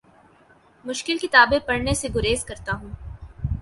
مشکل کتابیں پڑھنے سے گریز کرتا ہوں